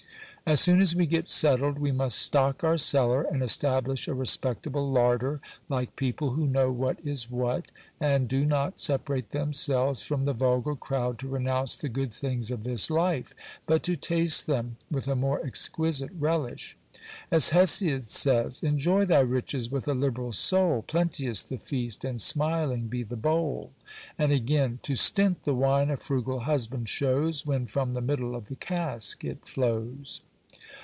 As soon as we get settled, we must stock our cellar, and establish a respectable larder, like people who know what is what, and do not separate themselves from the vulgar crowd to renounce the good things of this life, but to taste them with a more exquisite relish. As Hesiod says, Enjoy thy riches with a liberal soul ; Plenteous the feast, and smiling be the bowl. And again, To stint the wine a frugal husband shows, When from the middle of the cask it flows.